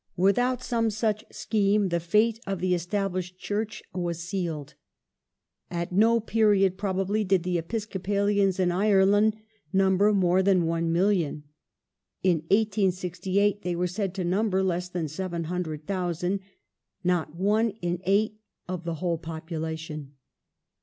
Without some such scheme the fate of the Established Church was sealed. At no period, probably, did the Episcopalians in Ireland number more than 1,000,000. In 1868 they were said to number less than 700,000 — not one in eight of the whole population.